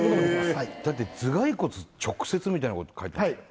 はいだって頭蓋骨直接みたいなこと書いてましたよ